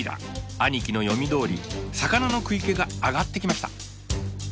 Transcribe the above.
兄貴の読みどおり魚の食い気が上がってきました。